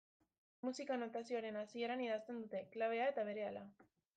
Musika-notazioaren hasieran idazten dute, klabea eta berehala.